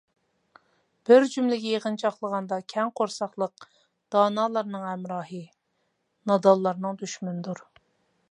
بىر جۈملىگە يىغىنچاقلىغاندا، كەڭ قورساقلىق دانالارنىڭ ھەمراھى، نادانلارنىڭ دۈشمىنىدۇر.